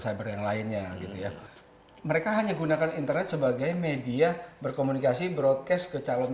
scammer yang lainnya mereka hanya gunakan internet sebagai media berkomunikasi ke calon